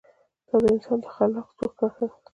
دا د انسان د خلاق ځواک نښه ده.